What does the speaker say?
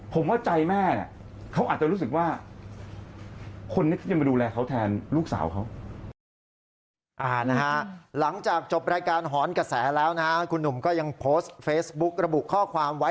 ผมว่าใจแม่เขาอาจจะรู้สึกว่า